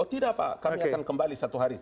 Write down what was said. oh tidak pak kami akan kembali satu hari